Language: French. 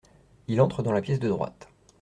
Il entre dans la pièce de droite.